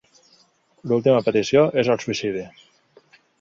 L'última petició és el suïcidi.